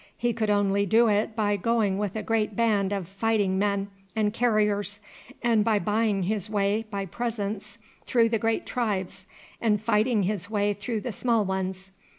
He could only do it by going with a great band of fighting men and carriers, and by buying his way by presents through the great tribes and fighting his way through the small ones.